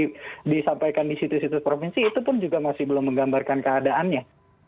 yang disampaikan di situs situs provinsi itu pun juga masih belum menggambarkan keadaannya